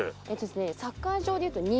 サッカー場って。